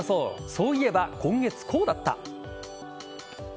そういえば今月こうだった。